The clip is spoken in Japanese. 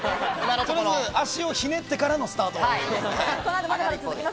とりあえず足をひねってからのスタート。